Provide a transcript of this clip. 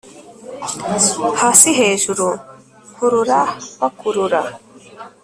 hasi hejuru nkurura bakurura